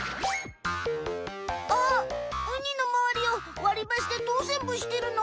あっウニのまわりをわりばしでとおせんぼしてるの？